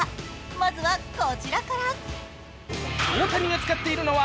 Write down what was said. まずは、こちらから。